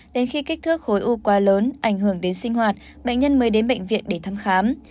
đến khi kích thước khối u quá lớn ảnh hưởng đến sinh hoạt bệnh nhân mới đến bệnh viện để thăm khám